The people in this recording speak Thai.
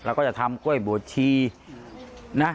เราก็จะทำกล้วยบ่วชีนะ